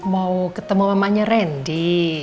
mau ketemu mamanya randy